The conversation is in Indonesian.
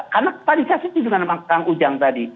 karena tadi saya sedih dengan kang ujang tadi